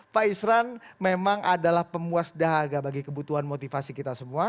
pak isran memang adalah pemuas dahaga bagi kebutuhan motivasi kita semua